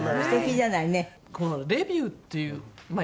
このレビューっていうまあ